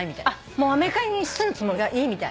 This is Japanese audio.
もうアメリカに住むつもり？がいいみたい。